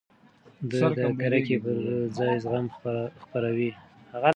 ده د کرکې پر ځای زغم خپراوه.